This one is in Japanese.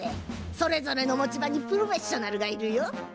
それぞれの持ち場にプロフェッショナルがいるよ。